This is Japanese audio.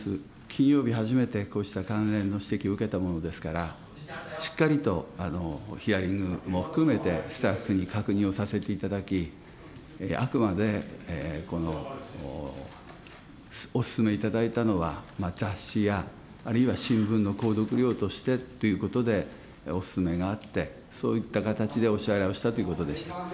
金曜日初めて、こうした関連の指摘を受けたものですから、しっかりとヒアリングも含めて、スタッフに確認をさせていただき、あくまでお勧めいただいたのは雑誌や、あるいは新聞の購読料としてということでお勧めがあって、そういった形でお支払いをしたということでございました。